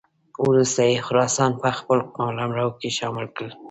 وروسته یې خراسان په خپل قلمرو کې شامل کړ.